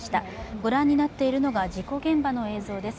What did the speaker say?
ご覧になっているのが事故現場の映像です。